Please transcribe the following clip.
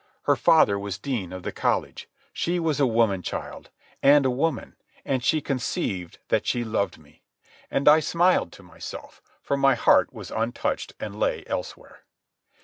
Her father was dean of the college. She was a woman child, and a woman, and she conceived that she loved me. And I smiled to myself, for my heart was untouched and lay elsewhere.